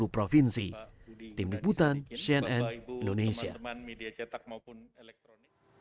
dua puluh provinsi tim diputan cnn indonesia teman media cetak maupun elektronik